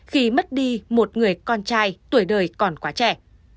khi mất đi một người con trai tuổi đời còn quá trẻ